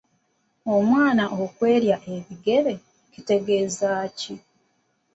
Omwana okw’erya ekigere kitegeeza ki?